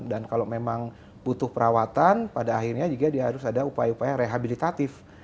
dan kalau memang butuh perawatan pada akhirnya juga dia harus ada upaya upaya rehabilitatif